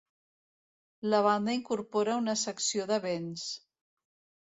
La banda incorpora una secció de vents.